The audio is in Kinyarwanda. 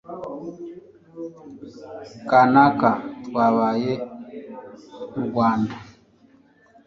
kanaka, twabaye u rwanda